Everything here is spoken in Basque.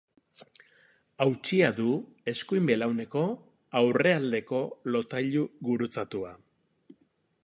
Hautsita du eskuin belauneko aurrealdeko lotailu gurutzatua.